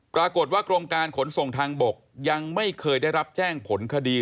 ปรากฏว่ากรมการขนส่งทางบกยังไม่เคยได้รับแจ้งผลคดี